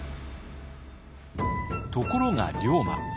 ところが龍馬。